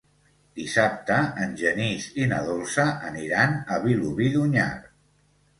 Dissabte en Genís i na Dolça aniran a Vilobí d'Onyar.